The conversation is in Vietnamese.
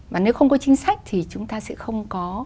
và nếu không có chính sách thì chúng ta sẽ không có